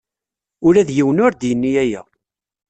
Ula d yiwen ur d-yenni aya.